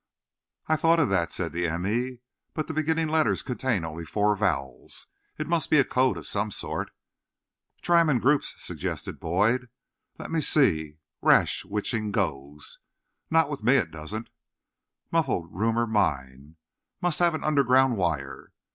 "I thought of that," said the m. e., "but the beginning letters contain only four vowels. It must be a code of some sort." "Try em in groups," suggested Boyd. "Let's see—'Rash witching goes'—not with me it doesn't. 'Muffled rumour mine'—must have an underground wire.